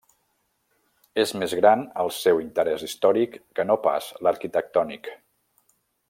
És més gran el seu interès històric que no pas l'arquitectònic.